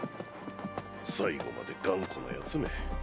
最後まで頑固なヤツめ。